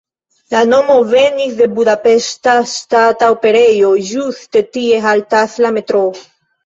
La nomo venis de Budapeŝta Ŝtata Operejo, ĝuste tie haltas la metroo.